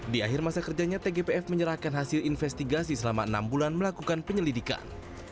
di akhir masa kerjanya tgpf menyerahkan hasil investigasi selama enam bulan melakukan penyelidikan